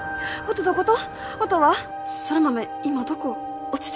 音どこと？